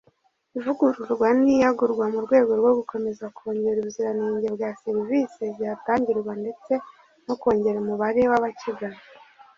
ivugururwa n’iyagurwa mu rwego rwo gukomeza kongera ubuziranenge bwa serivisi zihatangirwa ndetse no kongera umubare w’abakigana